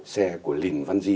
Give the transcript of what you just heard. xe của lìn văn di